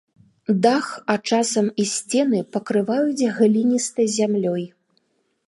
Дах, а часам і сцены пакрываюць гліністай зямлёй.